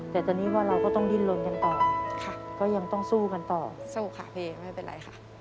แต่ตอนนี้ว่าเราก็ต้องดิ้นลนกันต่อค่ะก็ยังต้องสู้กันต่อสู้ค่ะเพลงไม่เป็นไรค่ะ